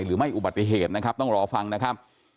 หรือไม่อุบัติเหตุต้องรอฟังนะครับ